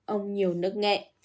ông nhiều nức nghẹn